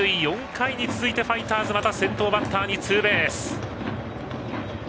４回に続いてファイターズまた先頭バッターにツーベース。